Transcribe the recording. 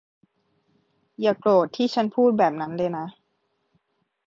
อย่าโกรธที่ฉันพูดแบบนั้นเลยนะ